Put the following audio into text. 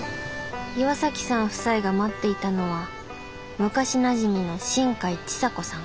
岩さん夫妻が待っていたのは昔なじみの新海智佐子さん。